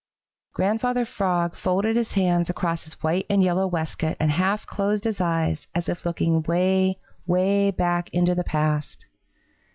Grandfather Frog folded his hands across his white and yellow waistcoat and half closed his eyes, as if looking way, way back into the past.